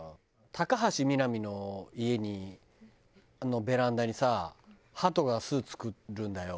高橋みなみの家のベランダにさハトが巣作るんだよ。